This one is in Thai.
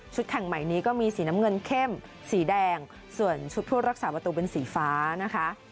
แข่งใหม่นี้ก็มีสีน้ำเงินเข้มสีแดงส่วนชุดผู้รักษาประตูเป็นสีฟ้านะคะ